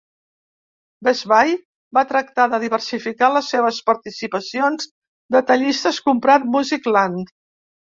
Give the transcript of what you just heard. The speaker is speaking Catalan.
Best Buy va tractar de diversificar les seves participacions detallistes comprant Musicland.